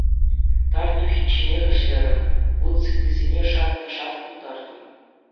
Тар тухичченех ӗҫлерӗм, вут сыпписене шарт та шарт тутартӑм.